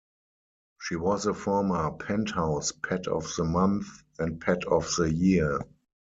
She was a former "Penthouse" Pet of the Month and Pet of the Year.